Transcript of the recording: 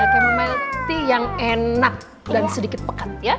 kemomelty yang enak dan sedikit pekat ya